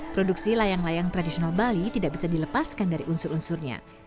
produksi layang layang tradisional bali tidak bisa dilepaskan dari unsur unsurnya